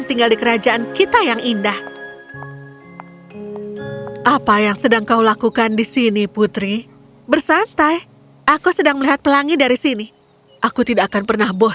tidak ada yang tahu